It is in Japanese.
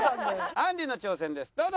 あんりの挑戦ですどうぞ。